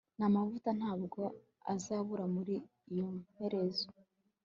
namavuta ntabwo azabura muri iyo mperezo